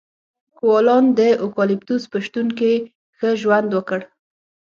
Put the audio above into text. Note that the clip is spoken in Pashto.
کوالان د اوکالیپتوس په شتون کې ښه ژوند وکړ.